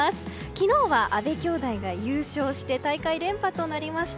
昨日は阿部兄妹が優勝して大会連覇となりました。